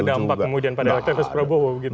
tapi kan berdampak kemudian pada aktivis prabowo begitu